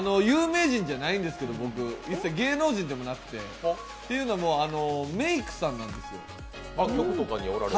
有名人じゃないんですけど芸能人でもなくて、というのも、メークさんなんですよ